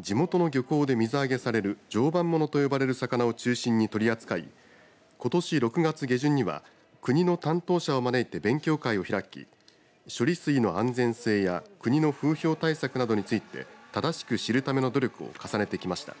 地元の漁港で水揚げされる常磐ものと呼ばれる魚を中心に取り扱いことし６月下旬には国の担当者も招いて勉強会を開き処理水の安全性や国の風評対策などについて正しく知るための努力を重ねてきました。